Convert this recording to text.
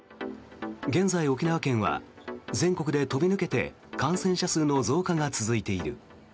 現在、沖縄県は全国で飛び抜けて感染者数の増加が続いている。